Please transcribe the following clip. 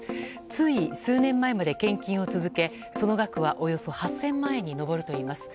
つい数年前まで献金を続けその額はおよそ８０００万円に上るといいます。